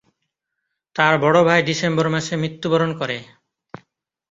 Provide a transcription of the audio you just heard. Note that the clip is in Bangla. তার বড় ভাই ডিসেম্বর মাসে মৃত্যুবরণ করে।